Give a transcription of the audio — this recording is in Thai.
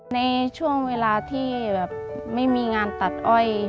ในช่วงเวลาที่แบบไม่มีงานตัดอ้อย